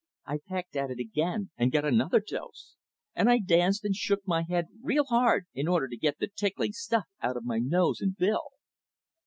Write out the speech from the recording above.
I pecked at it again and got another dose, and I danced and shook my head real hard in order to get the tickling stuff out of my nose and bill.